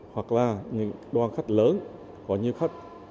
hoặc là những đoàn khách lớn gọi như khách